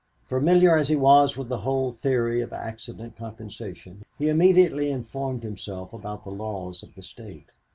Familiar as he was with the whole theory of accident compensation, he immediately informed himself about the laws of the State.